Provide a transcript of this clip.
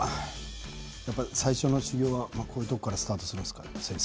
最初の修業はこういうところからスタートするんですか先生。